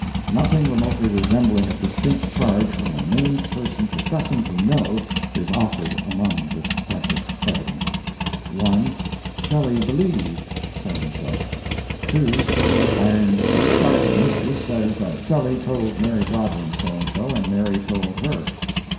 Nothing remotely resembling a distinct charge from a named person professing to know is offered among this precious "evidence." 1. "Shelley believed" so and so. 2. Byron's discarded mistress says that Shelley told Mary Godwin so and so, and Mary told her.